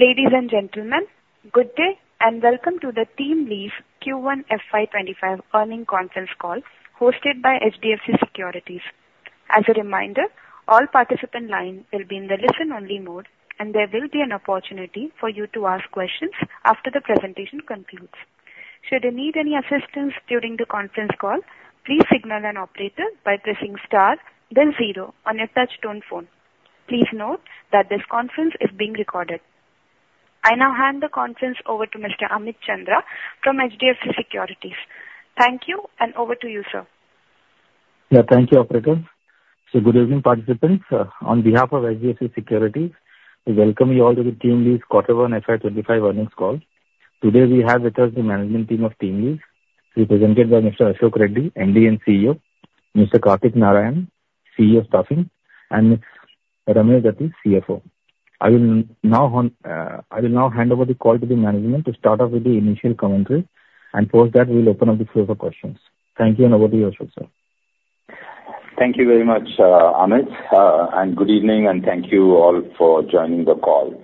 Ladies and gentlemen, good day and welcome to the TeamLease Q1 FY 2025 earnings conference call hosted by HDFC Securities. As a reminder, all participant lines will be in the listen-only mode and there will be an opportunity for you to ask questions after the presentation concludes. Should you need any assistance during the conference call, please signal an operator by pressing star then zero on a touch-tone phone. Please note that this conference is being recorded. I now hand the conference over to Mr. Amit Chandra from HDFC Securities. Thank you. Over to you, sir. Yeah, thank you operator. So good evening participants. On behalf of HDFC Securities we welcome you all to the TeamLease quarter one FY 2025 earnings call. Today we have with us the management team of TeamLease represented by Mr. Ashok Reddy MD and CEO Mr. Kartik Narayan CEO of Staffing and Ramani Dathi, CFO. I will now hand over the call to the management to start off with the initial commentary and post that we'll open up the floor for questions. Thank you. Over to yourself sir. Thank you very much, Amit, and good evening, and thank you all for joining the call.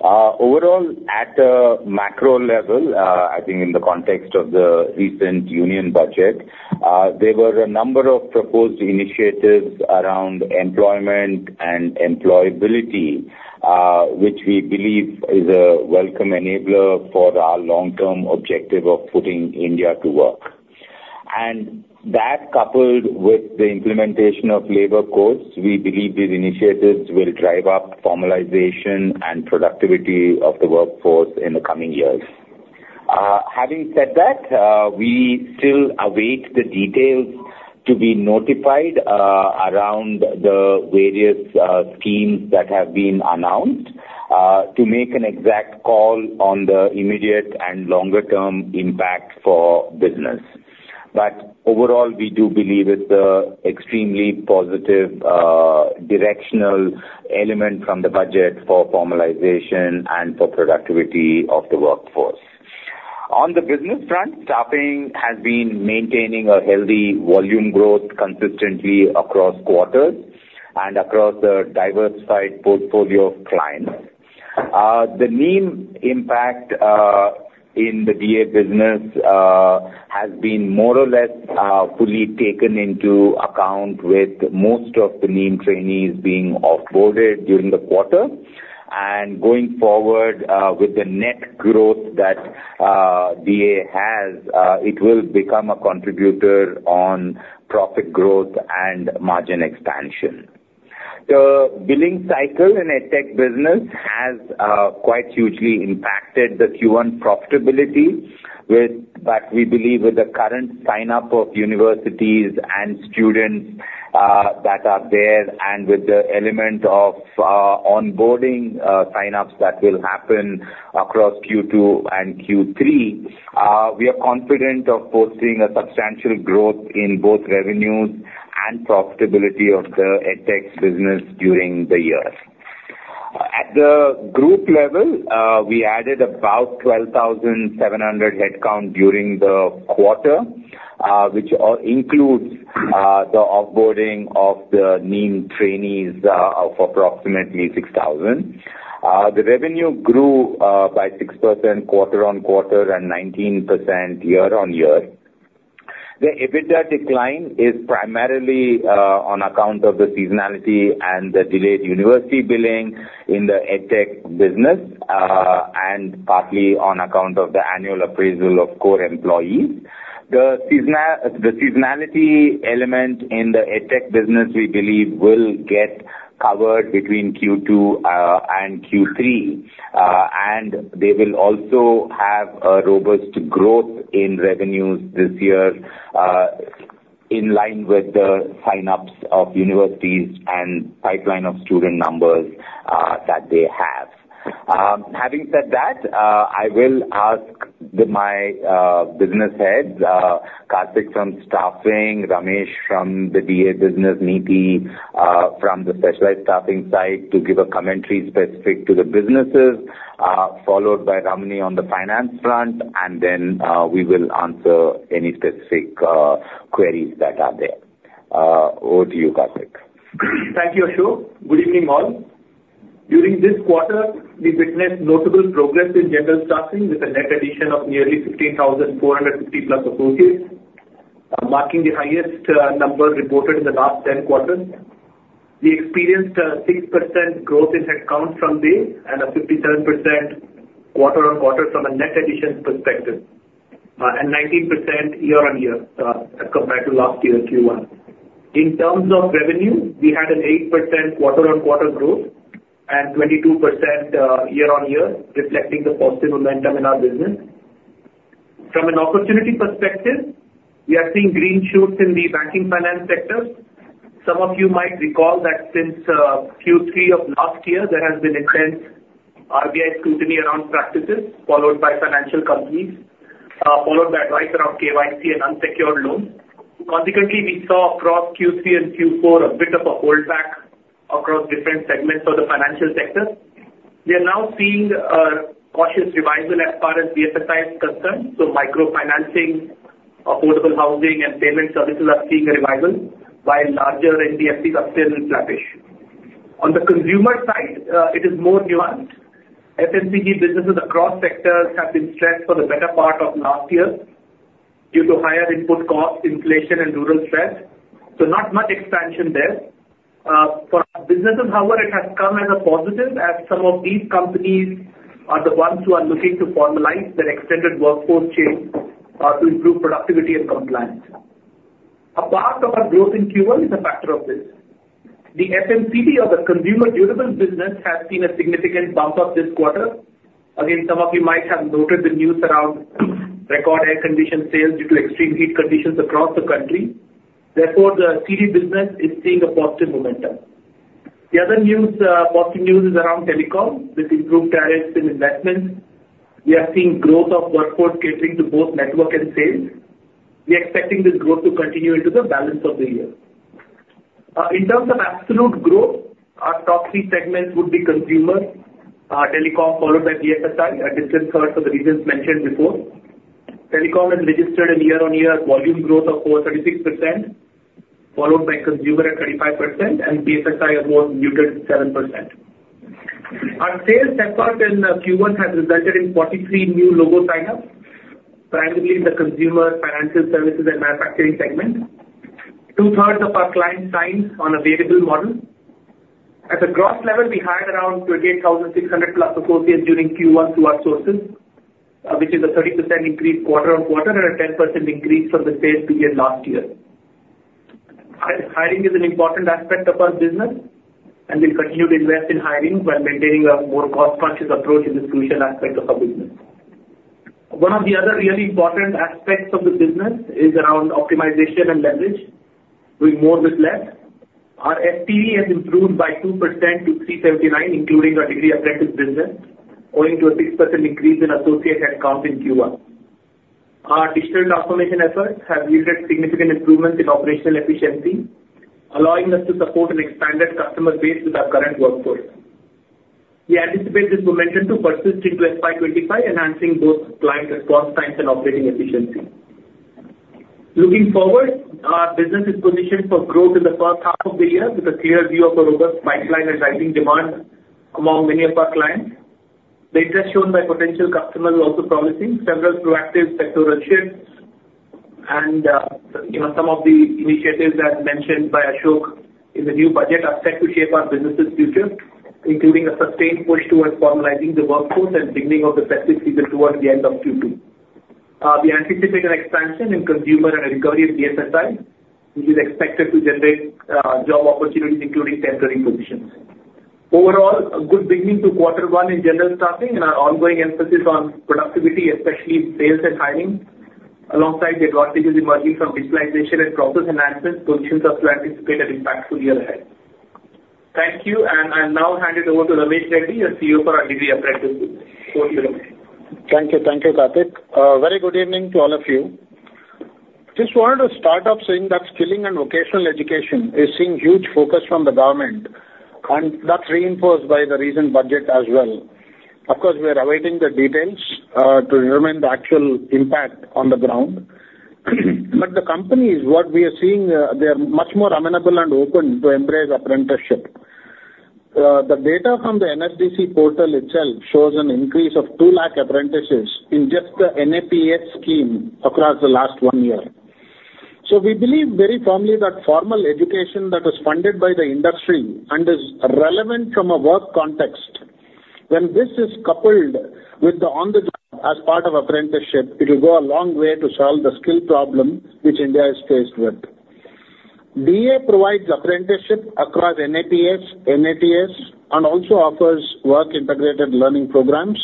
Overall, at a macro level, I think in the context of the recent union budget, there were a number of proposed initiatives around employment and employability which we believe is a welcome enabler for our long-term objective of putting India to work. And that coupled with the implementation of labor codes, we believe these initiatives will drive up formalization and productivity of the workforce in the coming years. Having said that, we still await the details of to be notified around the various schemes that have been announced to make an exact call on the immediate and longer-term impact for business. But overall we do believe it's extremely positive directional element from the budget for formalization and for productivity of the workforce. On the business front, staffing has been maintaining a healthy volume growth consistently across quarters and across the diversified portfolio of clients. The main impact in the DA business has been more or less fully taken into account with most of the NEEM trainees being offboarded during the quarter and going forward with the net growth that DA has, it will become a contributor on profit growth and margin expansion. The billing cycle in EdTech business has quite hugely impacted the Q1 profitability. But we believe with the current signup of universities and students that are there and with the element of onboarding sign ups that will happen across Q2 and Q3, we are confident of posting a substantial growth in both revenues and profitability of the EdTech business during the year. At the group level we added about 12,700 headcount during the quarter which includes the onboarding of the NEEM trainees of approximately 6,000, the revenue grew by 6% quarter-on-quarter and 19% year-on-year. The EBITDA decline is primarily on account of the seasonality and the delayed university billing in the EdTech business and partly on account of the annual appraisal of core employees. The seasonality element in the EdTech business we believe will get covered between Q2 and Q3 and they will also have a robust growth in revenues this year in line with the signups of universities and pipeline of student numbers that they have. Having said that, I will ask my business heads, Kartik from Staffing, Ramesh from the DA business, Neeti from the specialized staffing side, to give a commentary specific to the businesses, followed by Ramani on the finance front, and then we will answer any specific specific queries that are there. Over to you, Kartik. Thank you, Ashok. Good evening, all. During this quarter we witnessed notable progress in general staffing with a net addition of nearly 15,450+ associates marking the highest number reported in the last 10 quarters. We experienced a 6% growth in headcount from this and a 57% quarter-on-quarter from a net addition perspective and 19% year-on-year as compared to last year Q1. In terms of revenue we had an 8% quarter-on-quarter growth and 22% year-on-year reflecting the positive momentum in our business. From an opportunity perspective we are seeing green shoots in the banking finance sector. Some of you might recall that since Q3 of last year there has been a trend RBI scrutiny around practices followed by financial companies followed by advice around KYC and unsecured loans. Consequently, we saw across Q3 and Q4 a bit of a holdback across different segments of the financial sector. We are now seeing a cautious revival as far as BFSI is concerned. So micro financing, affordable housing and payment services are seeing a revival while larger NBFC sub-segment will be flattish. On the consumer side it is more nuanced. FMCG businesses across sectors have been stressed for the better part of last year due to higher input cost inflation and rural stress so not much expansion there for our businesses. However, it has come as a positive as some of these companies are the ones who are looking to formalize their extended workforce chain to improve productivity and compliance. A part of our growth in Q1 is a factor of this the FMCD or the consumer durable business has seen a significant bump up this quarter. Again, some of you might have noted the news around record air-conditioned sales due to extreme heat conditions across the country. Therefore the CD business is seeing a positive momentum. The other news positive news is around Telecom. With improved tariffs and investments, we are seeing growth of workforce catering to both network and sales. We are expecting this growth to continue into the balance of the year. In terms of absolute growth, our top three segments would be Consumer, Telecom followed by BFSI, a distant third for the reasons mentioned before. Telecom has registered a year-on-year volume growth of 43.6% followed by consumer at 35% and BFSI of more muted 7%. Our sales effort in Q1 has resulted in 43 new logo signups primarily in the consumer financial services and manufacturing segment. 2/3s of our clients signed on a variable model at the gross level. We hired around 28,600+ associates during Q1 through our sources which is a 30% increase quarter-on-quarter and a 10% increase from the same period last year. Hiring is an important aspect of our business and we'll continue to invest in hiring while maintaining a more cost-structured approach in the solution aspect of our business. One of the other really important aspects of the business is around optimization and leverage, doing more with less. Our FTE has improved by 2% to 379 including our Degree Apprentice business owing to a 6% increase in associate headcount in Q1. Our digital transformation efforts have yielded significant improvements in operational efficiency allowing us to support an expanded customer base with our current workforce. We anticipate this momentum to persist into FY 2025 enhancing both client response times and operating efficiency. Looking forward, our business is positioned for growth in the first half of the year with a clear view of a robust pipeline and rising demand among many of our clients. The interest shown by potential customers also promising several proactive sectoral shifts and some of the initiatives as mentioned by Ashok in the new budget are set to shape our business future including a sustained push towards formalizing the workforce and beginning of the specific season. Towards the end of Q2 we anticipate an expansion in consumer and recovery BFSI which is expected to generate job opportunities, including temporary provisions. Overall, a good beginning to quarter one in general staffing and our ongoing emphasis on productivity, especially sales and hiring, alongside the advantages emerging from digitalization and process enhancements, positions us to anticipate an impactful year ahead. Thank you, and I'll now hand it over to Ramesh Reddy, the CEO for our degree apprenticeship. Thank you. Thank you Kartik. Very good evening to all of you. Just wanted to start off saying that skilling and vocational education is seeing huge focus from the government and that's reinforced by the recent budget as well. Of course we are awaiting the details to remain the actual impact on the ground, but the companies what we are seeing, they are much more amenable and open to embrace apprenticeship. The data from the NSBC portal itself shows an increase of 2 lakh apprentices in just the NAPS scheme across the last one year. So we believe very firmly that formal education that is funded by the industry and is relevant from a work context. When this is coupled with the on the job as part of apprenticeship, it will go a long way to solve the skill problem which India is faced with. DA provides apprenticeship across NAPS, NATS and also offers work integrated learning programs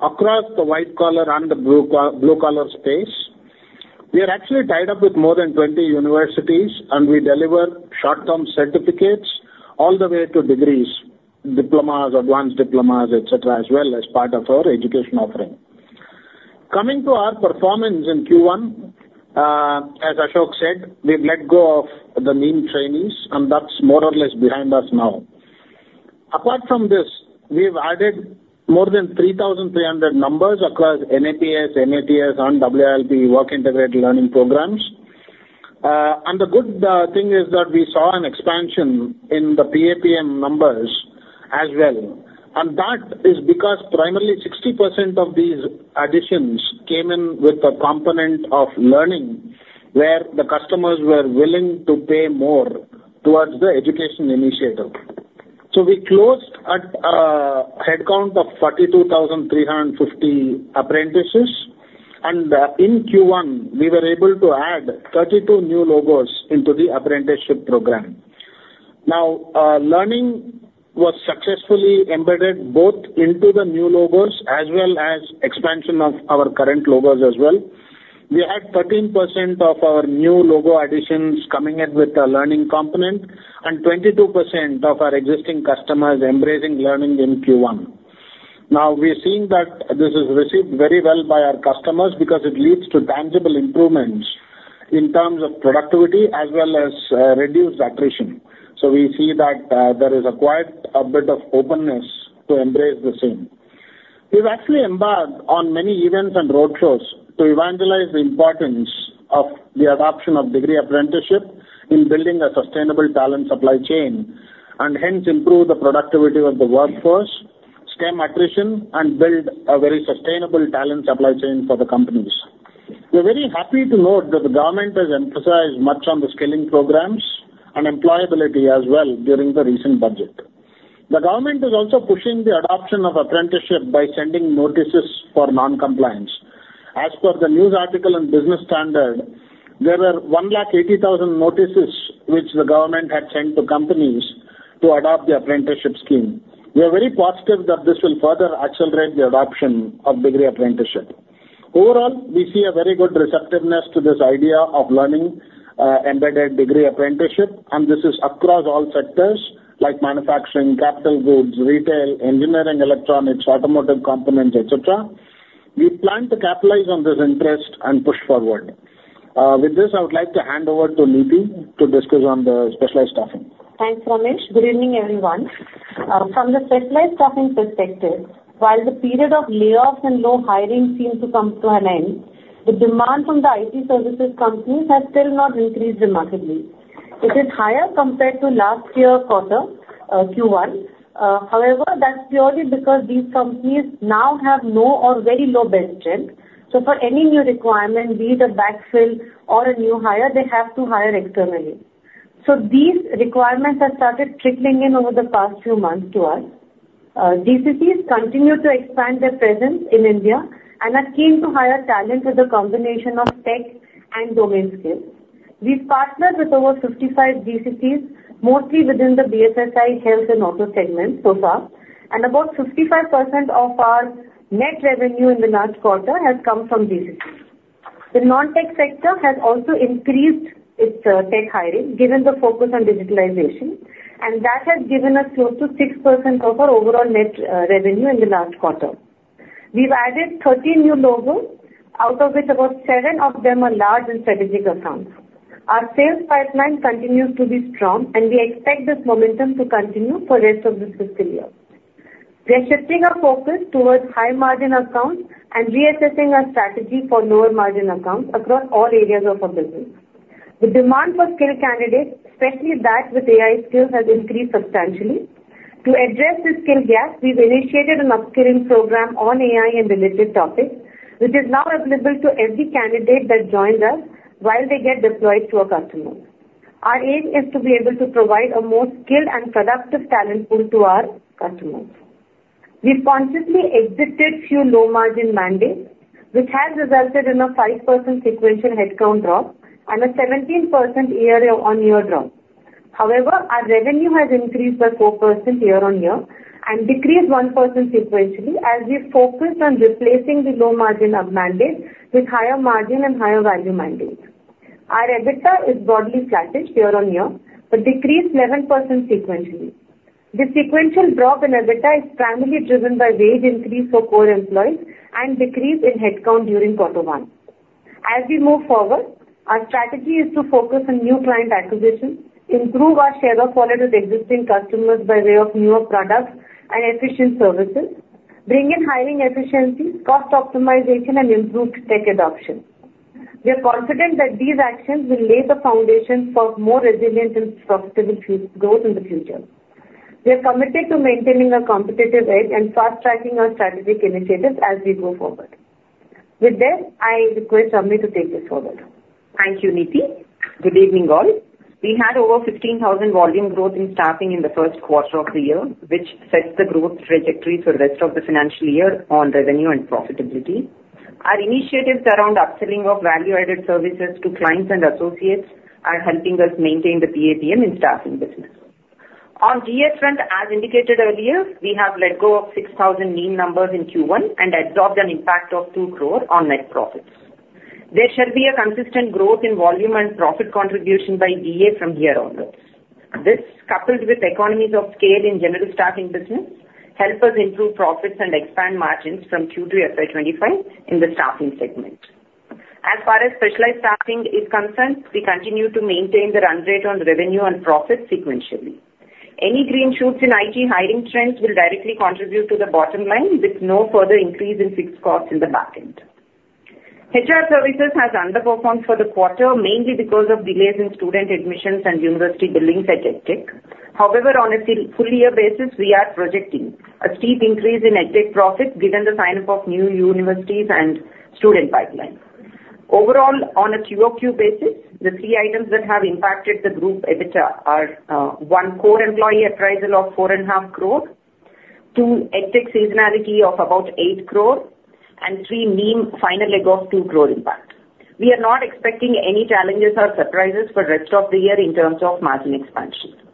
across the white collar and the blue collar space. We are actually tied up with more than 20 universities and we deliver short term certificates all the way to degrees, diplomas, advanced diplomas, etc as well as part of our education offering. Coming to our performance in Q1, as Ashok said, we've let go of the NEEM trainees and that's more or less behind us now. Apart from this, we've added more than 3,300 numbers across NAPS, NATS and WILP work integrated learning programs. The good thing is that we saw an expansion in the PAPM numbers as well. That is because primarily 60% of these additions came in with a component of learning where the customers were willing to pay more towards the education initiative. So we closed at headcount of 42,350 apprentices and in Q1 we were able to add 32 new logos into the Apprenticeship program. Now learning was successfully embedded both into the new logos as well as expansion of our current logos as well. We had 13% of our new logo additions coming in with a learning component and 22% of our existing customers embracing learning in Q1. Now we're seeing that this is received very well by our customers because it leads to tangible improvements in terms of productivity as well as reduced attrition. So we see that there is quite a bit of openness to embrace the same. We've actually embarked on many events and roadshows to evangelize the importance of the adoption of degree apprenticeship in building a sustainable talent supply chain and hence improve the productivity of the workforce, stem attrition and build a very sustainable talent supply chain for the companies. We're very happy to note that the government has emphasized much on the skilling programs and employability as well during the recent budget. The government is also pushing the adoption of apprenticeship by sending notices for non-compliance as per the news article and Business Standard. There were 180,000 notices which the government had sent to companies to adopt the apprenticeship scheme. We are very positive that this will further accelerate the adoption of bigger apprenticeship. Overall we see a very good receptiveness to this idea of learning embedded degree apprenticeship and this is across all sectors like manufacturing, capital goods, retail, engineering, electronics, automotive components etc. We plan to capitalize on this interest and push forward with this. I would like to hand over to Neeti to discuss on the specialized staffing. Thanks, Ramesh. Good evening, everyone. From the Specialized Staffing perspective, while the period of layoffs and low hiring seem to come to an end, the demand from the IT services companies has still not increased dramatically. It is higher compared to last year quarter Q1. However, that's purely because these companies now have no or very low bench strength. So for any new requirement, be it a backfill or a new hire, they have to hire externally. So these requirements have started trickling in over the past few months to us. GCCs continue to expand their presence in India and are keen to hire talent with a combination of tech and domain scale. We've partnered with over 55 GCCs mostly within the BFSI health and auto segment so far and about 55% of our net revenue in the last quarter has come from GCC. The non tech sector has also increased its tech hiring given the focus on digitalization and that has given us close to 6% of our overall net revenue. In the last quarter we've added 13 new logos out of which about seven of them are large and strategic accounts. Our sales pipeline continues to be strong and we expect this momentum to continue for rest of the fiscal year. We are shifting our focus towards high margin accounts and reassessing our strategy for lower margin accounts. Across all areas of our business, the demand for skilled candidates, especially that with AI skills, has increased substantially. To address this skill gap, we've initiated an upscaling program on AI and related topics which is now available to every candidate that joins us while they get deployed to our customers. Our aim is to be able to provide a more skilled and productive talent pool to our customers. We've consciously exited few low margin mandates which has resulted in a 5% sequential headcount drop and a 17% year-on-year drop. However, our revenue has increased by 4% year-on-year and decreased 1% sequentially as we focused on replacing the low margin mandates with higher margin and higher value mandates. Our EBITDA is broadly flattish year-on-year but decreased 11% sequentially. The sequential drop in EBITDA is primarily driven by wage increase for core employees and decrease in headcount during quarter one. As we move forward, our strategy is to focus on new client acquisition, improve our share of wallet with existing customers by way of newer products and efficient services. Bring in hiring efficiencies, cost optimization and improved tech adoption. We are confident that these actions will lay the foundation for more resilient and profitable growth in the future. We are committed to maintaining a competitive edge and fast tracking our strategic initiatives as we go forward. With that, I request Ramani to take this further. Thank you, Neeti. Good evening, all. We had over 15,000 volume growth in staffing in the first quarter of the year which sets the growth trajectory for the rest of the financial year on revenue and profitability. Our initiatives around upselling of value added services to clients and associates are helping us maintain the PAPM in staffing business. On DA front, as indicated earlier, we have let go of 6,000 NEEM numbers in Q1 and absorbed an impact of 2 crore on net profits. There shall be a consistent growth in volume and profit contribution by DA from here onwards. This coupled with economies of scale in general staffing business help us improve profits and expand margins from Q2 FY 2025 in the staffing segment. As far as specialized staffing is concerned, we continue to maintain the run rate on revenue and profit sequentially. Any green shoots in IT hiring trends will directly contribute to the bottom line with no further increase in fixed costs in the back end. HR Services has underperformed for the quarter mainly because of delays in student admissions and university billings at EdTech. However, on a full year basis we are projecting a steep increase in EdTech profit given the sign up of new. Universities and student pipeline overall on a quarter-over-quarter basis, the three items that have impacted the group EBITDA are one core employee appraisal of 4.5 crore, two EdTech seasonality of about 8 crore and three NEEM final leg of 2 crore impact. We are not expecting any challenges or surprises for rest of the year in terms of margin expansion expansion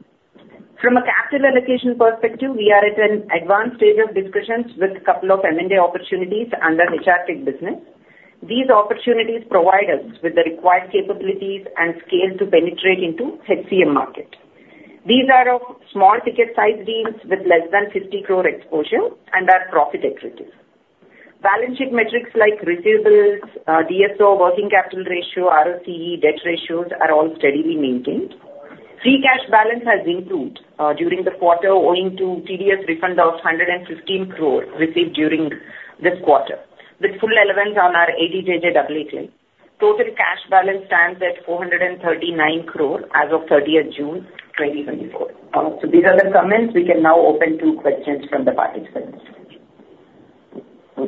from a capital allocation perspective. We are at an advanced stage of discussions with couple of M&A opportunities under HRTech business. These opportunities provide us with the required capabilities and scale to penetrate into HCM market. These are of small ticket size deals with less than 50 crore exposure and are profit accretive. Balance sheet metrics like receivables, DSO, working capital ratio, ROCE, debt ratio are all steadily maintained. Free cash balance has improved during the quarter owing to TDS refund of 115 crore received during this quarter with full allowance on our 80JJAA claims. Total cash balance stands at 439 crore as of 30th June 2024. So these are the comments. We can now open to questions from the participants.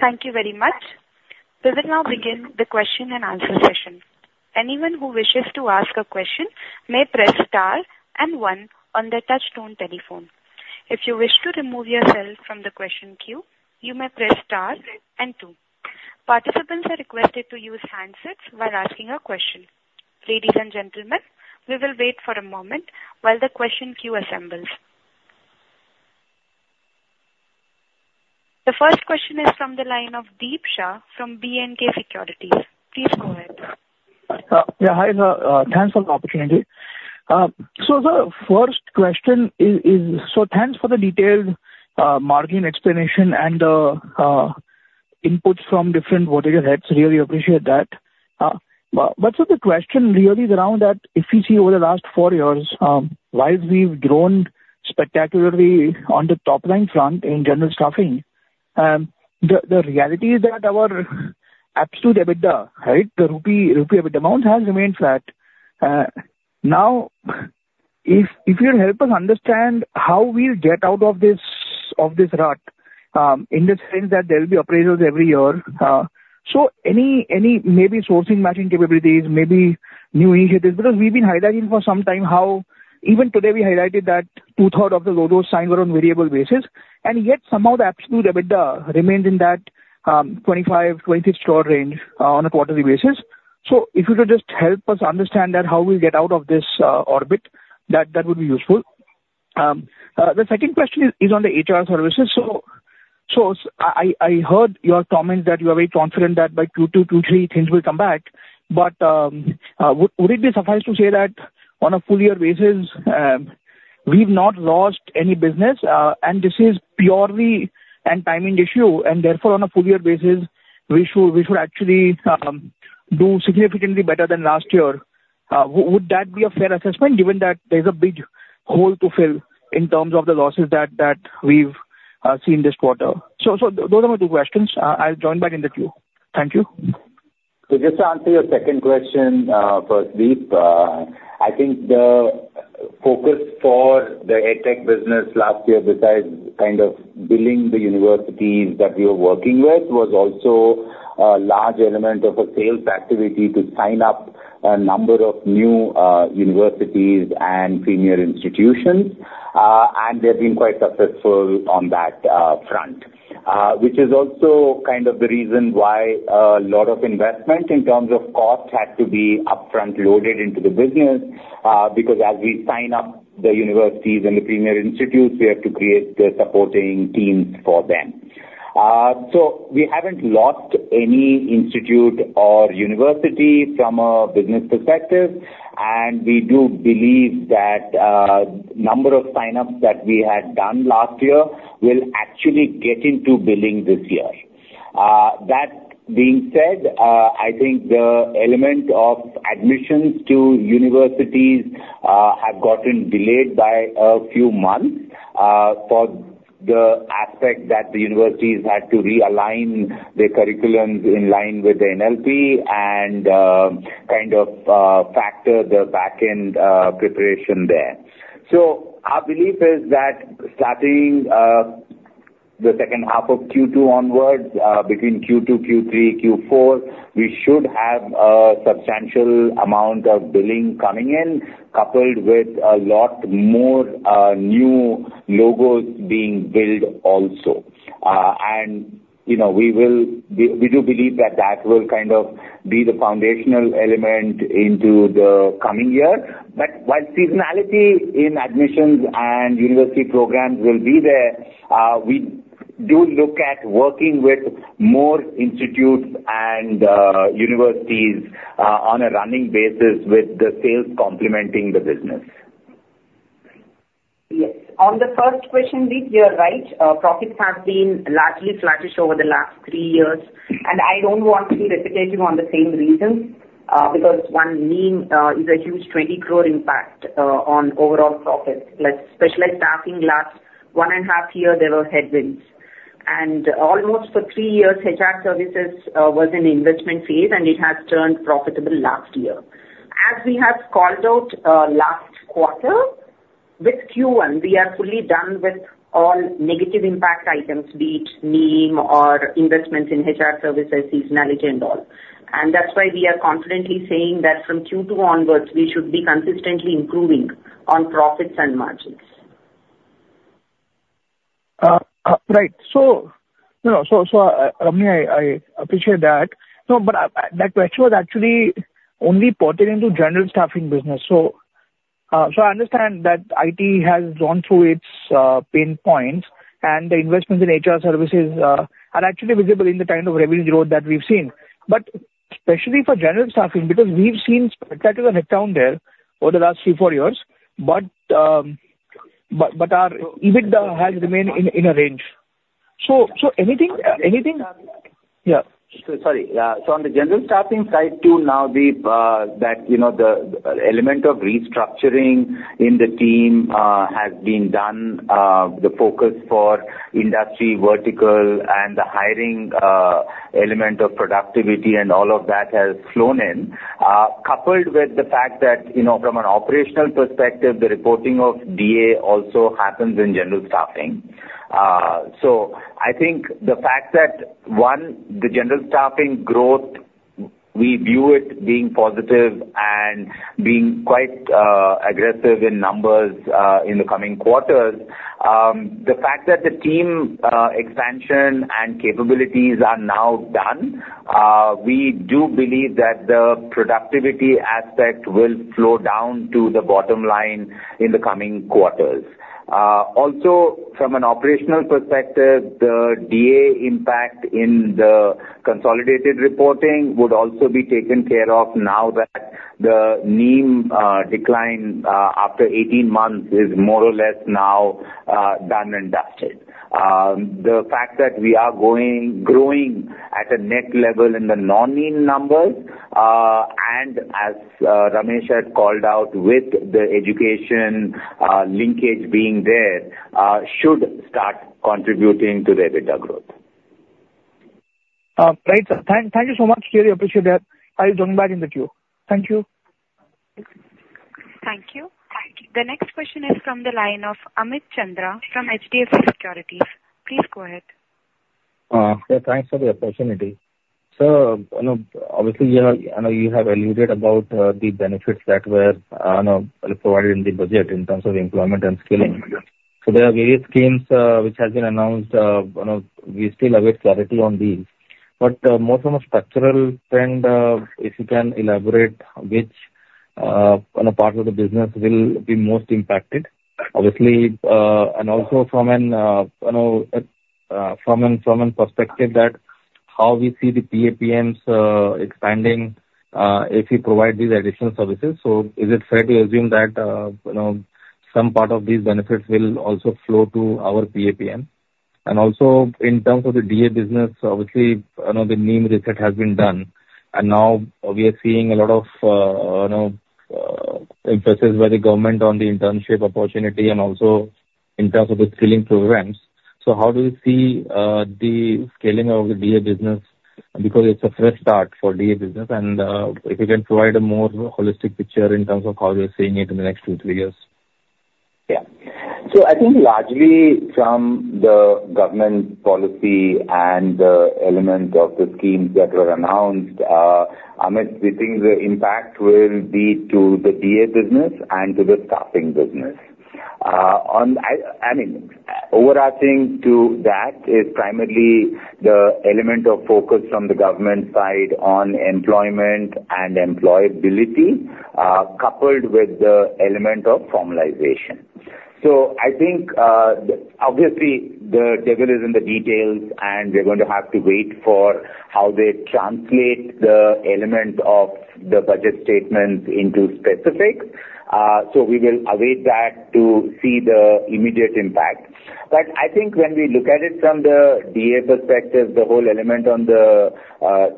Thank you very much. We will now begin the question and answer session. Anyone who wishes to ask a question may press star and one on the touch-tone telephone. If you wish to remove yourself from the question queue you may press star and two. Participants are requested to use handsets while asking a question. Ladies and gentlemen, we will wait for a moment while the question queue assembles. The first question is from the line of Deep Shah from B&K Securities. Please go ahead. Yeah, hi. Thanks for the opportunity. So the first question is. So thanks for the detailed margin explanation and inputs from different vertical heads. Really appreciate that. But so the question really is around that if we see over the last four years while we've grown spectacularly on the top line front in general staffing, the reality is that our absolute EBITDA right the rupee rupee EBITDA amount has remained flat. Now if, if you'll help us understand how we'll get out of this, of this rut in the sense that there will be appraisals every year. So any, any maybe sourcing matching capabilities, maybe new initiatives because we've been highlighting for some time how even today we highlighted that 2/3 of the logos signed were on variable basis and yet somehow the absolute EBITDA remained in that 25 crore-26 crore range on a quarterly basis. So if you could just help us understand that how we get out of this orbit that that would be useful. The second question is on the HR services. So I heard your comments that you are very confident that by Q2, Q3 things will come back. But would it be suffice to say that on a full year basis we've not lost any business and this is purely a timing issue and therefore on a full year basis we should, we should actually do significantly better than last year. Would that be a fair assessment given that there's a big hole to fill in terms of the losses that we've seen this quarter. So those are my two questions. I'll join back in the queue. Thank you. So, just to answer your second question first, Deep, I think the focus for the EdTech business last year, besides kind of building the universities that we were working with, was also a large element of a sales activity to sign up a number of new universities and premier institutions. And they've been quite successful on, on that front. Which is also kind of the reason why a lot of investment in terms of cost had to be upfront loaded into the business. Because as we sign up the universities and the premier institutes, we have to create the supporting teams for them. So we haven't lost any institute or university from a business perspective. And we do believe that that number of signups that we had done last year will actually get into billing this year. That being said, I think the element of admissions to universities have gotten delayed by a few months for the aspect that the universities had to realign their curriculums in line with the NEP and kind of factor the back end preparation there. So our belief is that starting the second half of Q2 onwards, between Q2, Q3, Q4, we should have a substantial amount of billing coming in coupled with a lot more new logos being billed also. We do believe that that will kind of be the foundational element into the coming year. While seasonality in admissions and university programs will be there, we do look at working with more institutes and universities on a running basis with the sales complementing the business. Yes, on the first question you are right, profits have been largely sluggish over the last three years and I don't want to be repetitive on the same reason because one main is a huge 20 crore impact on overall profit, especially staffing. Last one and a half year there were headwinds and almost for three years HR services was in investment phase and it has turned profitable last year. As we have called out last quarter with Q1 we are fully done with all negative impact items, be it NEEM or investments in HR services, seasonality and all. And that's why we are confidently saying that from Q2 onwards we should be consistently improving on profits and margins. Right. So Ramani, I appreciate that, but that question was actually only pertaining to general staffing business, so. So I understand that IT has gone through its pain points and the investments in HR services are actually visible in the kind of revenue growth that we've seen, but especially for general staffing because we've seen spectacular head down there over the last three, four years, but our EBITDA has remained in a range, so anything. Yeah, sorry. So on the general staffing side too, now Deep, you know, the element of restructuring, structuring in the team has been done, the focus for industry vertical and the hiring element of productivity and all of that has flown in, coupled with the fact that from an operational perspective, the reporting of DA also happens in general staffing. So I think the fact that once the general staffing growth, we view it being positive and being quite aggressive in numbers in the coming quarters. The fact that the team expansion and capabilities are now done, we do believe that the productivity aspect will flow down to the bottom line in the coming quarters. Also from an operational perspective, the team impact in the consolidated reporting would also be taken care of now that the NEEM decline after 18 months is more or less now done and dusted. The fact that we are growing at a net level in the non-NEEM numbers, and as Ramesh had called out, with the education linking being there, should start contributing to the EBITDA growth. Right sir, thank you so much, really appreciate that. I'll join back in the queue. Thank you. Thank you. The next question is from the line of Amit Chandra from HDFC Securities. Please go ahead. Thanks for the opportunity. Obviously you have alluded about the benefits that were provided in the budget in terms of employment and skilling. There are various schemes which have been announced. We still have a clarity on these but more from a structural trend, if you can elaborate, which part of the business will be most impacted obviously and also from a perspective that how we see the PAPMs expanding if we provide these additional services. Is it fair to assume that some part of these benefits will also flow to our PAPM? And also in terms of the DA business, obviously the NEEM scheme has been done and now we are seeing a lot of emphasis by the government on the internship opportunity and also in terms of the skilling programs. How do we see the scaling of the DA business? Because it's a fresh start for DA business and if you can provide a more holistic picture in terms of how we're seeing it in the next two, three years. Yes. So I think largely from the government policy and element of the schemes that were announced, Amit, we think the impact will be to the DA business and to the staffing business. Overarching to that is primarily the element of focus from the government side on employment and employability coupled with the element of formalization. So I think obviously the devil is in the details and we're going to have to wait for how they translate the element of the budget statements into specifics. So we will await that to see the immediate impact. But I think when we look at it from the DA perspective perspective, the whole element on the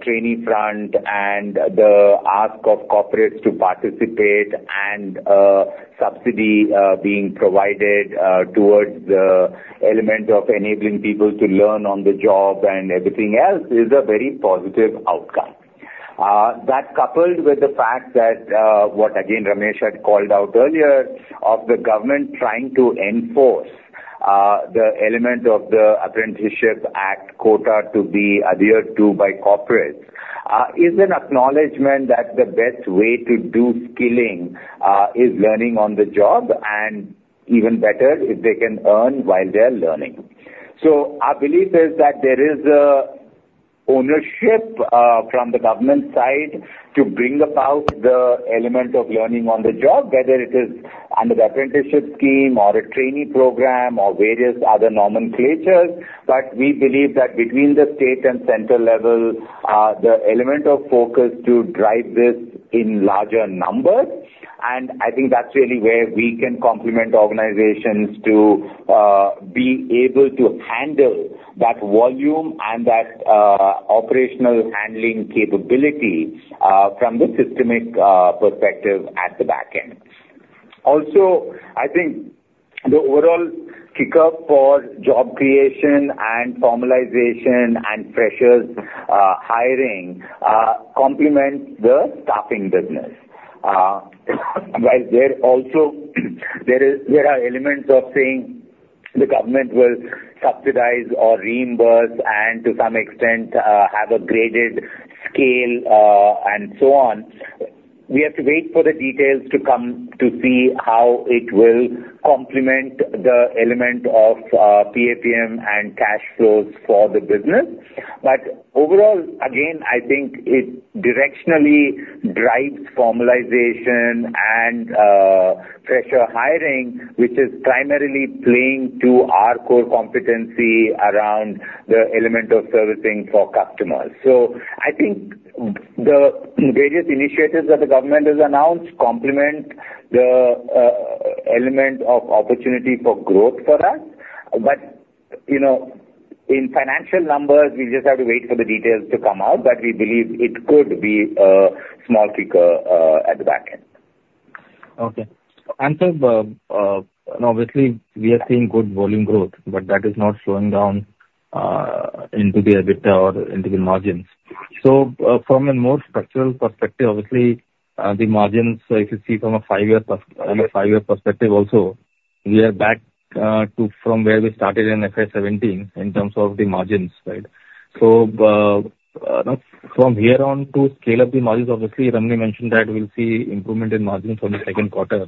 trainee front and the ask of corporates to participate and subsidy being provided towards the element of enabling people to learn on the job and everything else is a very positive outcome. That coupled with the fact that what again Ramesh had called out earlier of the government trying to engage, enforce the element of the Apprenticeship Act quota to be adhered to by corporates is an acknowledgment that the best way to do skilling is learning on the job and even better if they can earn while they are learning. So our belief is that there is ownership from the government side to bring about the element of learning on the job, whether it is under the apprenticeship scheme or a training program or various other nomenclatures. But we believe that between the state and center level, the element of focus to drive this in larger numbers. And I think that's really where we can complement organizations to be able to handle that volume and that operational handling capability from the systemic perspective at the back end also. I think the overall kick up for job creation and formalization and pressures hiring complement the staffing business. Also there are elements of saying the government will subsidize or reimburse and to some extent have a graded scale and so on. We have to wait for the details. To come to see how it will complement the element of PAPM and cash flows for the business. But overall, again, I think it directionally drives formalization and pressure hiring, which is primarily playing to our core competency around the element of servicing for customers. So I think the various initiatives that the government has announced complement the element of opportunity for growth for us. But you know, in financial numbers we just have to wait for the details to come out. But we believe it could be a small cap figure at the back end. Okay. Obviously we are seeing good volume growth, but that is not slowing down into the EBITDA or into the margins. So from a more structural perspective, obviously the margins, if you see from a five-year, five-year perspective also we are back to from where we started in FY17 in terms of the margins. Right. So from here on to scale up the margins, obviously Ramani mentioned that we'll see improvement in margins from the second quarter.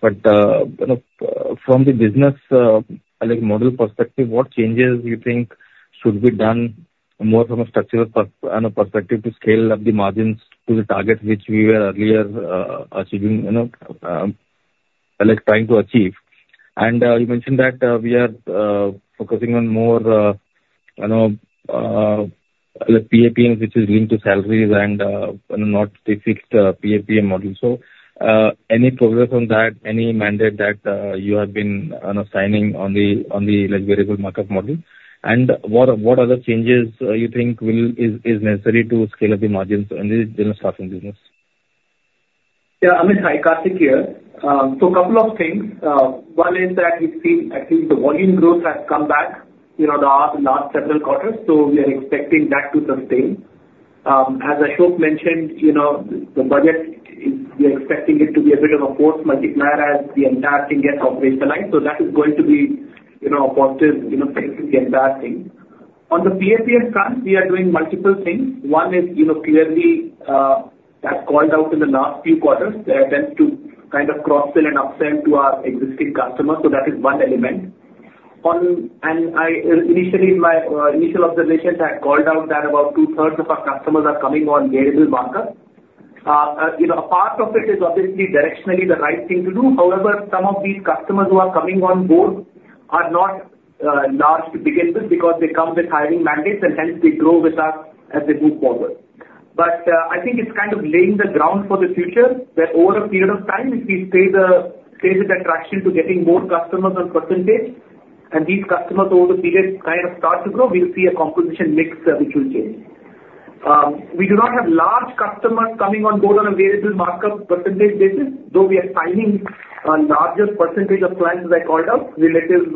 But from the business model perspective, what changes you think should be done more from a structural perspective to scale up the margins to the target, which we were earlier achieving, trying to achieve. And you mentioned that we are focusing on more, you know, the PAPM, which is linked to salaries and not the fixed PAPM model. So any progress on that, any mandate that you have been assigning on the like variable markup model and what other changes you think will is necessary to scale up the margins in the general staffing business? Yeah, Amit. Hi, Kartik here. So a couple of things. One is that we think we've seen, actually the volume growth has come back the last several quarters. So we are expecting that to sustain, as Ashok mentioned, you know, the budget, we are expecting it to be a bit of a force multiplier as the entire thing gets operationalized. So that is going to be, you know, a positive and bad thing. On the PAPM front, we are doing multiple things. One is, you know, clearly that called. Our in the last few quarters tends to kind of cross sell and upsell to our existing customers. So that is one element. Initially my initial observations had called out that about two thirds of our customers are coming on variable markup. A part of it is obviously directionally the right thing to do. However, some of these customers who are coming on board are not large to begin with because they come with hiring mandates and hence they grow with us and they move forward. But I think it's kind of laying the ground for the future that over a period of time, if we stay the attraction to getting more customers on percentage and these customers over the period kind of start to grow, we'll see a composition mix which will change. We do not have large customers coming on board on a variable markup percentage basis, though we are signing a larger percentage of clients, as I called out relatively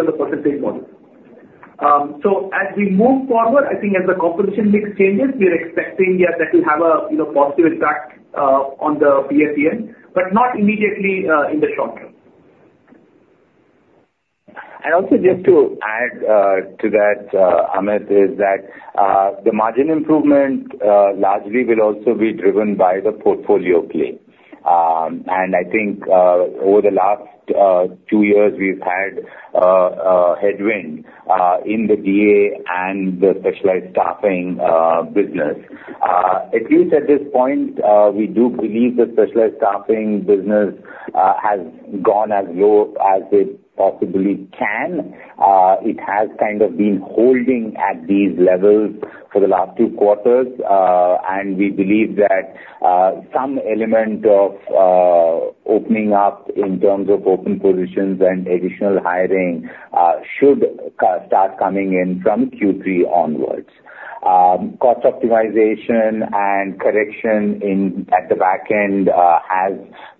on the percentage model. So as we move forward, I think as the competition mix changes, we are expecting that to have a positive impact on the spread, but not immediately in the short term. Also just to add to that, Amit, is that the margin improvement largely will also be driven by the portfolio play. I think over the last two years we've had headwind in the DA and the specialized staffing business. At least at this point. We do believe the specialized staffing business has gone as low as it possibly can. It has kind of been holding at these levels for the last two quarters, and we believe that some element of opening up in terms of open positions and additional hiring should start coming in from Q3 onwards. Cost optimization and correction at the back end has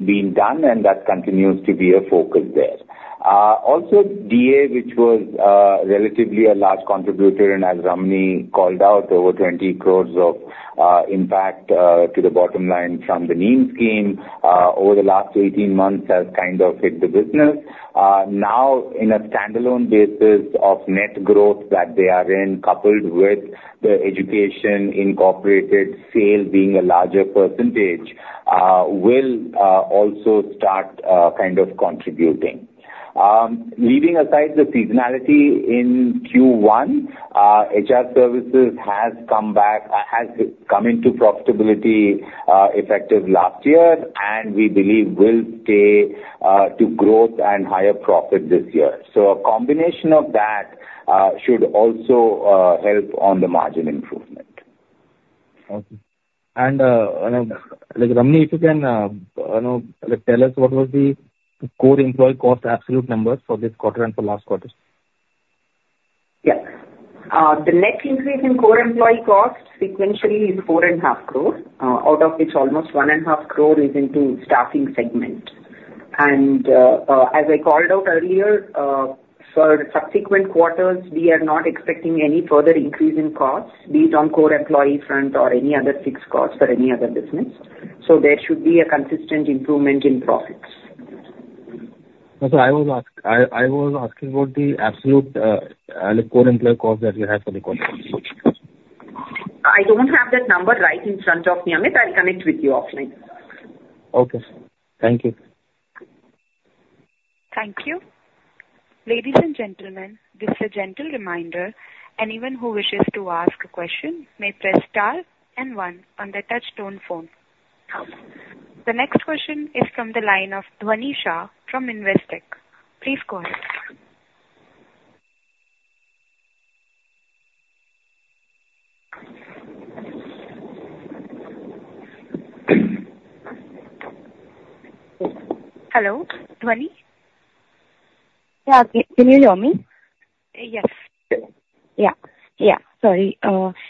been done and that continues to be a focus there. Also DA, which was relatively a number large contributor and as Ramani called out, over 20 crore of impact to the bottom line from the NEEM scheme over the last 18 months has kind of hit the business now in a standalone basis of net growth that they are in, coupled with the Education Incorporated sale being a larger percentage will also start kind of contributing. Leaving aside the seasonality in Q1, HR services has come back, has come into profitability effective last year and we believe will stay to growth and higher profit this year. So a combination of that should also help on the margin improvement. Ramani, if you can tell us what was the core employee cost absolute numbers for this quarter and for last quarter? Yeah, the net increase in core employee cost sequentially is 4.5 crore, out of which almost 1.5 crore is into staffing segment. And as I called out earlier for subsequent quarters, we are not expecting any further increase in costs, be it on core employee front or any other fixed cost or any other business. So there should be a consistent improvement in profits. I was asked. I was asking about the absolute core employee cost that you have for the quarter. I don't have that number right in front of me. Amit, I'll connect with you offline. Okay, thank you. Thank you. Ladies and gentlemen, this is a gentle reminder. Anyone who wishes to ask a question may press star and one on the touchtone phone. The next question is from the line of Dhvani Shah from Investec. Please go ahead. Hello, Dhvani? Yeah, can you hear me? Yes. Yeah, yeah, sorry.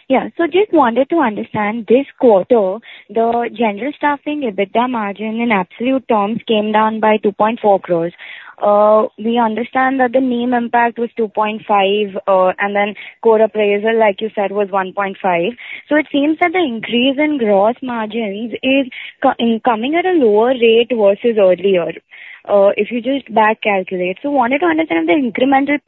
Yeah, so just wanted to understand. This quarter the general staffing EBITDA margin in absolute terms came down by 2.4 crore. We understand that the NEEM impact was 2.5 crore and then core appraisal like you said was 1.5 crore. So it seems that the increase in gross margins is coming at a lower rate versus earlier if you just back calculate. So wanted to understand the incremental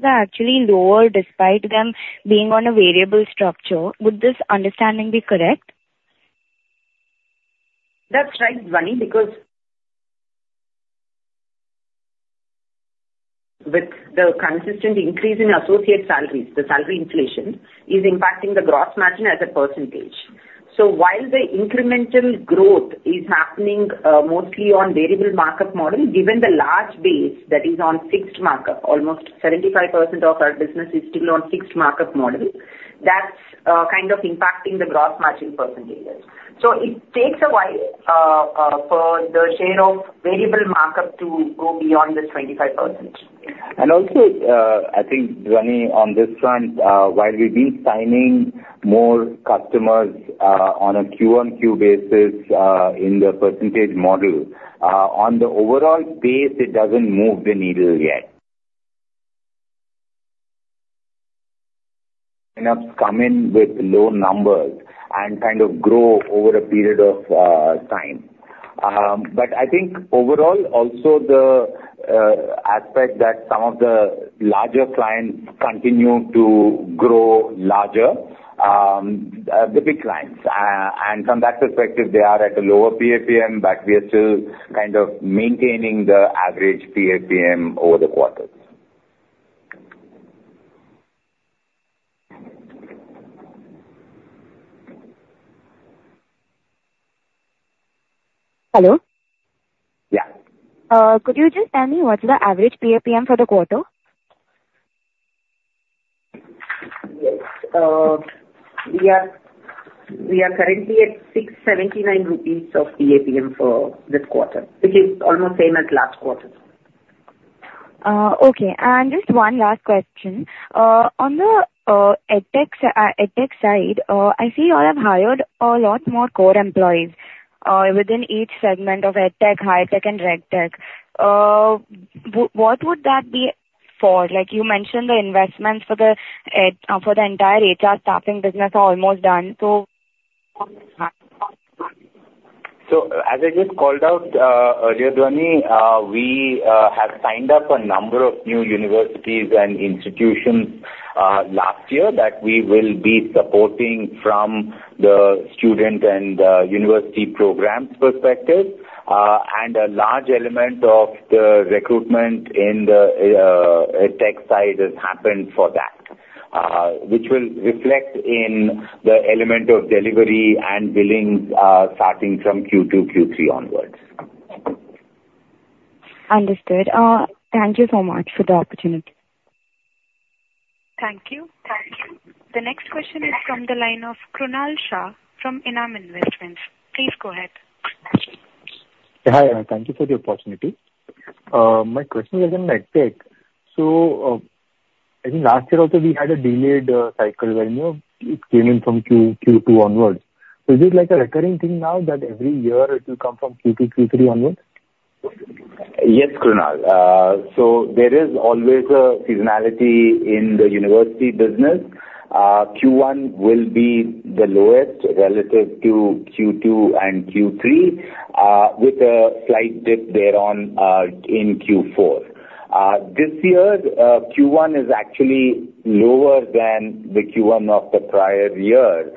P actually lower despite them being on a variable structure. Would this understanding be correct? That's right, Dhvani. Because. With the consistent increase in associate salaries, the salary inflation is impacting the gross margin as a percentage. While the incremental growth is happening mostly on variable margin, given the large base that is on fixed markup, almost 75% of our business is still on fixed markup model. That's kind of impacting the gross margin percentages. It takes a while for the share of variable markup to go beyond this 25%. And also I think on this front, while we've been signing more customers on a Q-on-Q basis in the percentage model on the overall base, it doesn't move the needle yet. Come in with low numbers and kind of grow over a period of time. But I think overall also the aspect that some of the larger clients continue to grow larger, the big clients, and from that perspective they are at a lower PAPM, but we are still kind of maintaining the average PAPM over the quarters. Hello? Yeah. Could you just tell me what's the average PAPM for the quarter? Yes, we are. We are currently at 679 crore rupees of PAPM for this quarter which is almost same as last quarter. Okay. Just one last question on the EdTech side. I see all have hired a lot more core employees within each segment of EdTech, HireTech and RegTech. What would that be like? You mentioned the investments for the entire HR staffing business. Almost done. So as I just called out earlier, Dhvani, we have signed up a number of new universities and institutions last year that we will be supporting from the student and university programs perspective. A large element of the recruitment in the tech side has happened for that which will reflect in the element of delivery and billings starting from Q2, Q3 onwards. Understood. Thank you so much for the opportunity. Thank you. The next question is from the line of Krunal Shah from ENAM Investments. Please go ahead. Hi, thank you for the opportunity. My question is in EdTech, so I think last year also we had a delayed cycle when, you know, it came in from Q2 onwards. So is this like a recurring thing? Now that every year it will come from Q2, Q3 onwards? Yes, Krunal. So there is always a seasonality in the United States university business. Q1 will be the lowest relative to Q2 and Q3 with a slight dip thereon in Q4. This year Q1 is actually lower than the Q1 of the prior year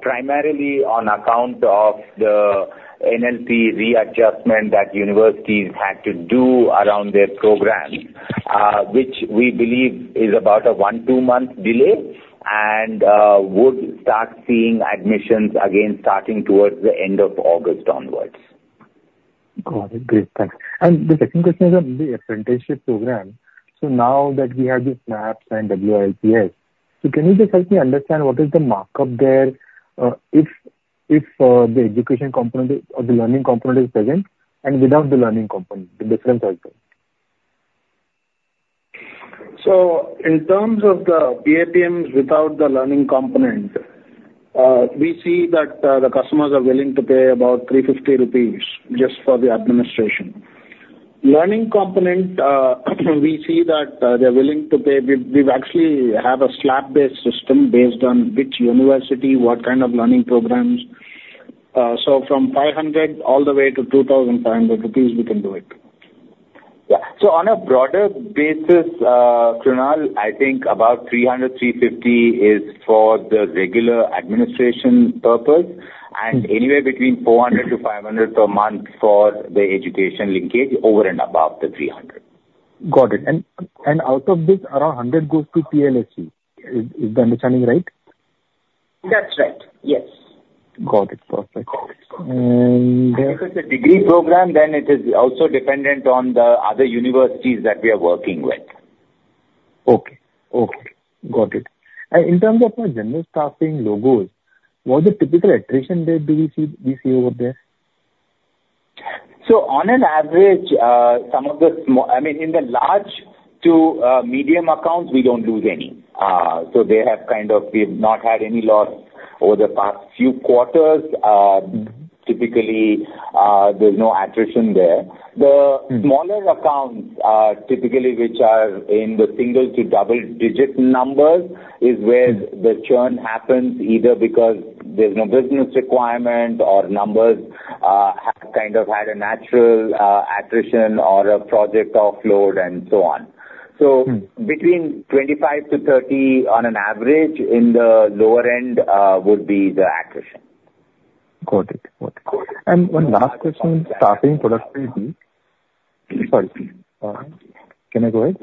primarily on account of the NLT readjustment that universities had to do around their programs, which we believe is about a 1-, 2-month delay and would start seeing admissions again starting towards the end of August onwards. The second question is on the apprenticeship program. Now that we have this NAPS and WILPs. Can you just help me understand what is the markup there? If the education component or the learning component is present and without the learning component, the difference also. So in terms of the PAPMs without the learning component, we see that the customers are willing to pay about 350 crore rupees just for the administration. Learning component we see that they're willing to pay. We actually have a slab-based system based on which university, what kind of learning programs. So from 500 crore all the way to 2,500 crore rupees we can do it. Yeah. On a broader basis, Krunal, I think about 300 crore-350 crore is for the regular administration purpose and anywhere between 400 crore-500 crore per month for the education linkage. Over and above the 300 crore. Got it. And out of this around 100 goes to PLSU. Is the understanding right? That's right, yes. Got it. Perfect The degree program. It is also dependent on the other universities that we are working with. Okay, okay, got it. In terms of general staffing logos, what the typical attrition that do we see over there? So on an average some of the, I mean in the large to medium accounts we don't lose any. So they have kind of. We have not had any loss over the past few quarters. Typically there's no attrition there. The smaller accounts typically which are in the single to double digit numbers is where the churn happens. Either because there's no business requirement or numbers kind of of had a natural attrition or a project offload and so on. So between 25-30 on an average in the lower end would be the attrition. Got it. One last question. Starting productivity. Sorry, can I go ahead?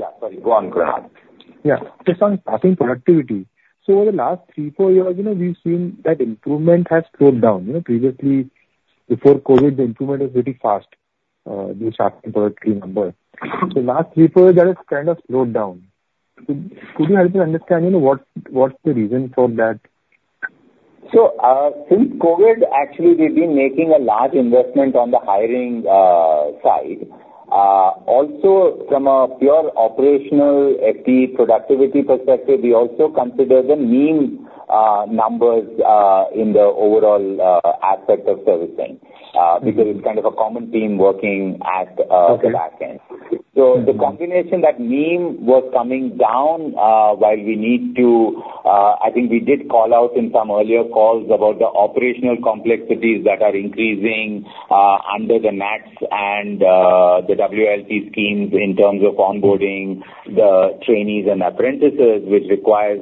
Yeah, just on starting productivity. Over the last three, four years, you know, we've seen that improvement has slowed down, you know, previously before COVID the improvement is pretty fast. The last three, four years that has kind of slowed down. Could you help us understand, you know what, what's the reason for that? So since COVID actually we've been making a large investment on the hiring side. Also from a pure operational FTE productivity perspective, we also consider the mean numbers in the overall aspect of servicing because it's kind of a common team working at the back end. So the combination that NEEM was coming down while we need to. I think we did call out in some earlier calls about the operational complexities that are increasing under the NATS and the WILP scheme in terms of onboarding, hiring the trainees and apprentices, which requires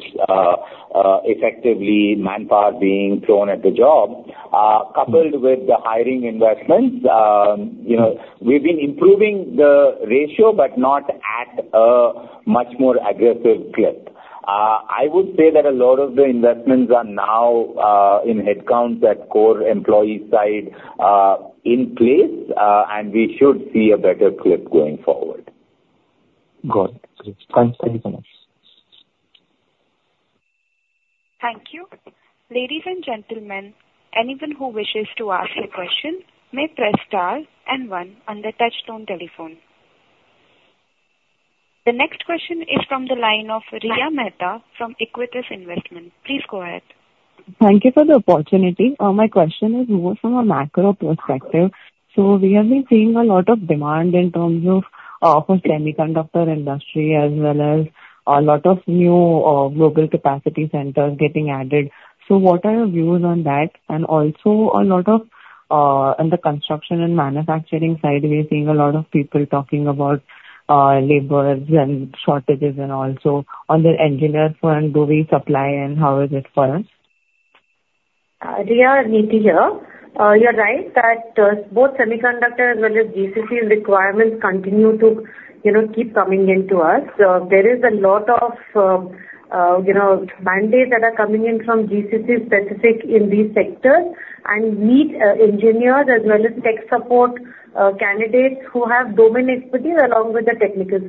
effectively manpower being thrown at the job, coupled with the hiring investments, we've been improving the ratio but not at a much more aggressive clip. I would say that a lot of the investments are now in headcount at core employee side in place and we should see a better clip going forward. Thank you so much. Thank you ladies and gentlemen. Anyone who wishes to ask a question may press star and one on the touch-tone telephone. The next question is from the line of Riya Mehta from Equitas Investments. Please go ahead. Thank you for the opportunity. The question is more from a macro perspective. So we have been seeing a lot of demand in terms of the semiconductor industry as well as a lot of new global capacity centers getting added. So what are your views on that and also a lot on the construction and manufacturing side we're seeing a lot of people talking about labor shortages and also on the engineering front. Do we see opportunity and how is it for us? You're right that both semiconductor as well as GCC requirements continue to, you know, keep coming into us. There is a lot of, you know, mandates that are coming in from GCC specific in these sectors and need engineers as well as tech support candidates who have domain expertise along with the technical.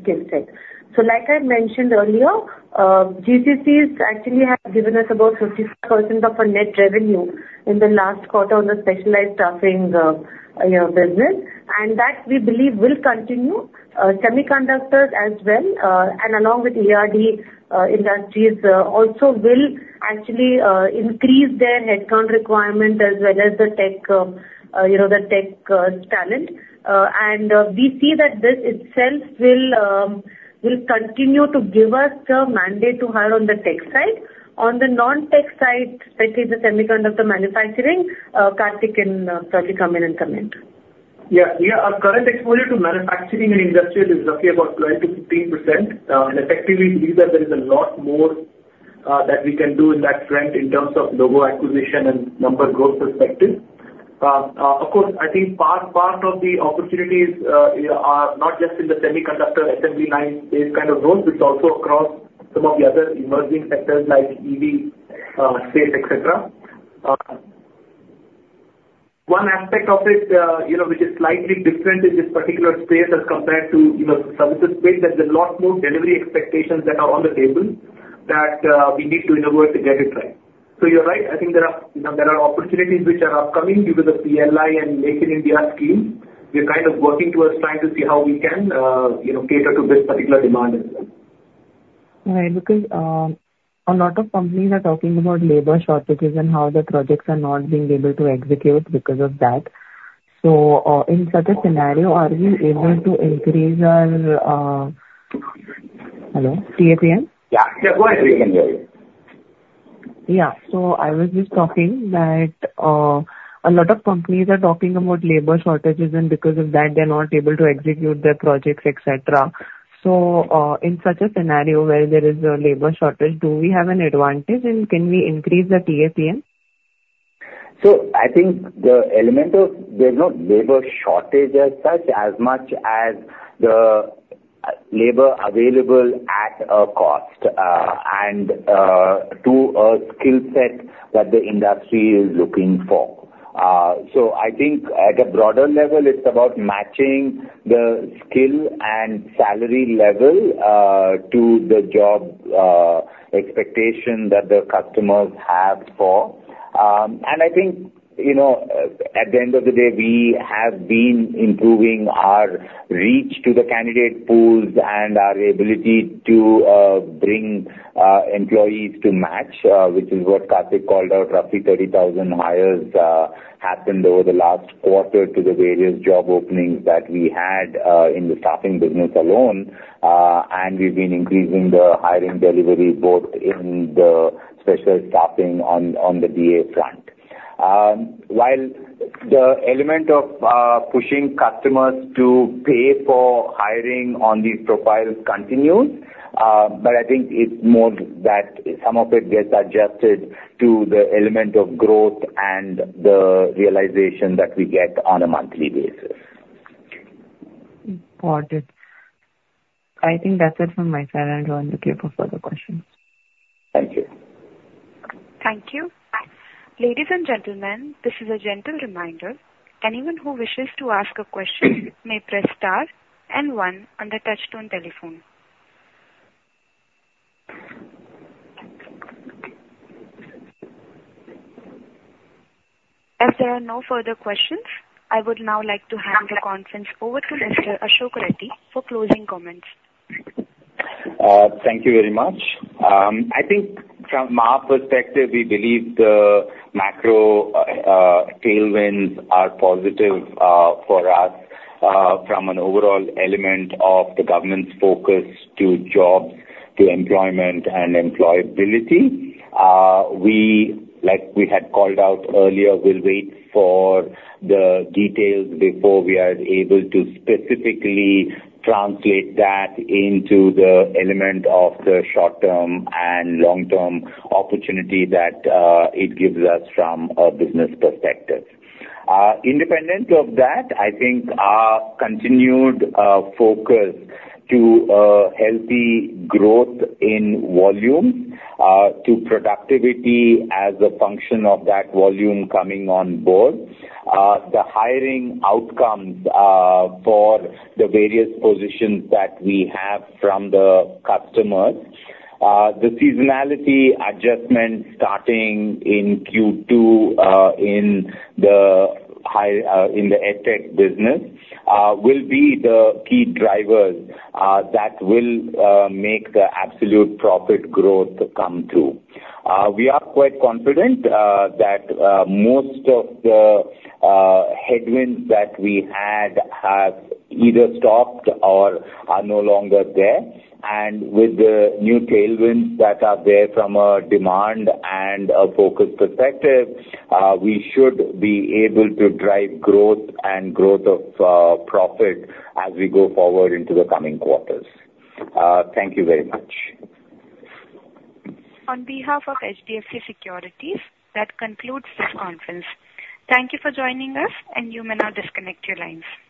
So like I mentioned earlier, GCC actually has given us about 50% of our net revenue in the last quarter on the specialized staffing business and that we believe will continue. Semiconductors as well and along with ERD industries also will actually increase their headcount requirement as well as the tech, you know, the tech talent. And we see that this itself will continue to give us the mandate to hire on the tech side on the non tech side, especially in the semiconductor manufacturing. Kartik can certainly come in and comment. Yeah, our current exposure to manufacturing and industrial is roughly about 12%-15% and effectively believe that there is a lot more that we can do in that trend. In terms of logo acquisition and number growth perspective, of course I think part of the opportunities are not just in the semiconductor, assembly line kind of growth. It's also across some of the other emerging sectors like EV space, etc. One aspect of it, you know, which is slightly different in this particular space as compared to services space that there's a lot more delivery expected that are on the table that we need to innovate to get it right. So you're right, I think there are, there are opportunities which are upcoming due to the PLI and Make in India schemes. We're kind of working towards trying to see how we can, you know, cater to this particular demand as well. Right. Because a lot of companies are talking about labor shortages and how the projects are not being able to execute because of that. So in such a scenario are we able to increase our PAPM? Yeah. Yeah. So I was just talking that a lot of companies are talking about labor shortages and because of that they're not able to execute their projects etc. In such a scenario where there is a labor shortage, do we have an advantage and can we increase the PAPM? So I think the element of there's no labor shortage as such, as much as the labor available at a cost and to a skill set that the industry is looking for. So I think at a broader level it's about matching the skill and salary level to the job expectation that the customers have for, and I think, you know, at the end of the day we have been improving our reach to the candidate pools and our ability to bring employees to match, which is what Kartik called out. Roughly 30,000 hires happened over the last quarter to the various job openings that we had in the staffing business alone. And we've been increasing the hiring delivery both in the specialized staffing on the DA front while the element of pushing customers to pay for hiring on these profiles continues. I think it's more that some of it gets adjusted to the element of growth and the realization that we get on a monthly basis. I think that's it from my side. I'll go and look here for further questions. Thank you. Thank you. Ladies and gentlemen. This is a gentle reminder. Anyone who wishes to ask a question may press star and one under touch tone telephone. As there are no further questions, I would now like to hand the conference over to Mr. Ashok Reddy for closing comments. Thank you very much. I think from our perspective we believe the macro tailwinds are positive for us from an overall element of the government's focus to jobs, to employment and employability. We like we had called out earlier, we'll wait for the details before we are able to specifically translate that into the element of the short term and long term opportunity that it gives us. From a business perspective, independent of that, I think our continued focus to healthy growth in volumes, to productivity as a function of that volume coming on board, the hiring outcomes for the various positions that we have from the customers, the seasonality adjustment starting in Q2 in the EdTech business will be the key drivers that will make the absolute profit growth come through. We are quite confident that most of the headwinds that we had have either stopped or are no longer there. With the new tailwinds that are there from a demand and a focus perspective, we should be able to drive growth and growth of profit as we go forward into the coming quarters. Thank you very much. On behalf of HDFC Securities. That concludes this conference. Thank you for joining us and you may now disconnect your lines.